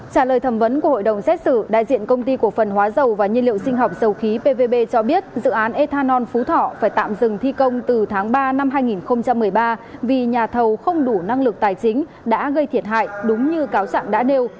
trả lời thẩm vấn của hội đồng xét xử đại diện công ty cổ phần hóa dầu và nhiên liệu sinh học dầu khí pvb cho biết dự án ethanol phú thọ phải tạm dừng thi công từ tháng ba năm hai nghìn một mươi ba vì nhà thầu không đủ năng lực tài chính đã gây thiệt hại đúng như cáo trạng đã nêu